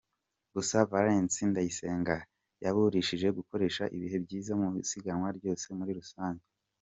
Gusa Valence Ndayisenga yabarushije gukoresha ibihe byiza mu isiganwa ryose muri rusange.